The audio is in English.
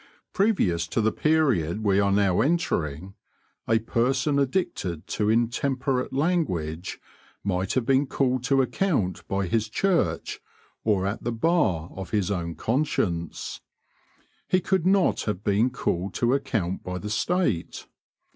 Previous to the period we are now entering, a person addicted to intemperate language might have been called to account by his church, or at the bar of his own conscience. He could not have been called to account by the State.